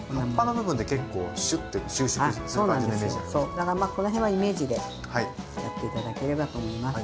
だからこの辺はイメージでやっていただければと思います。